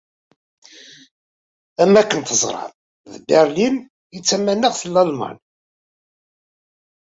Am akken teẓram, d Berlin i d tamanaɣt n Lalman.